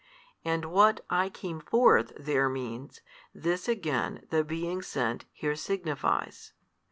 And what I came forth there means, this again the being sent here signifies.